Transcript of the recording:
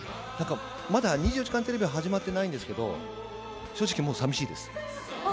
まだ２４時間テレビは始まってないんですけど、正直、もうさみしいです。